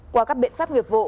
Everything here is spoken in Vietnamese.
qua các biện pháp nghiệp vụ